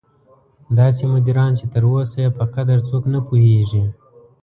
داسې مدیران چې تر اوسه یې په قدر څوک نه پوهېږي.